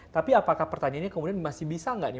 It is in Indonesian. tapi apakah pertanyaannya kemudian masih bisa nggak nih